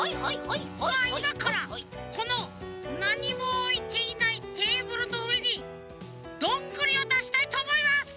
さあいまからこのなにもおいていないテーブルのうえにどんぐりをだしたいとおもいます！